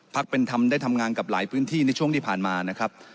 เป็นธรรมได้ทำงานกับหลายพื้นที่ในช่วงที่ผ่านมานะครับ